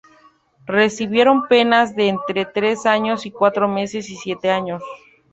Recibieron penas de entre tres años y cuatro meses, y siete años.